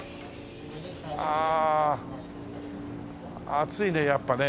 暑いねやっぱね。